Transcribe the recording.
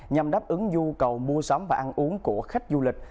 nhằm đáp ứng nhu cầu mua sắm và ăn uống của khách du lịch